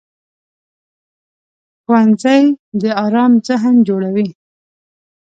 ښوونځی د ارام ذهن جوړوي